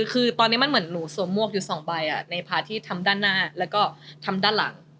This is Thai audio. คือตอนนี้มันเหมือนหนูสวมมวกอยู่สองใบในพาร์ทที่ทำด้านหน้าแล้วก็ทำด้านหลัง